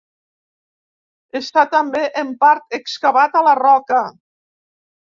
Està també en part excavat a la roca.